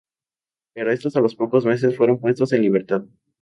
Pero estos a los pocos meses fueron puestos en libertad.